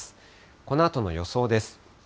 このあとの予想です。